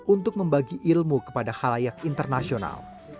untuk membagi ilmu kepada halayak internasional